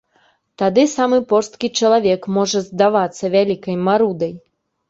Тады самы порсткі чалавек можа здавацца вялікай марудай.